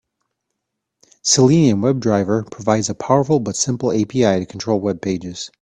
Selenium WebDriver provides a powerful but simple API to control webpages.